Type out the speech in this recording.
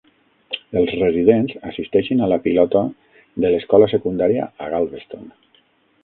Els residents assisteixen a la pilota de l'escola secundària a Galveston.